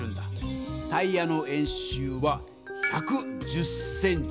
タイヤの円周は１１０ｃｍ。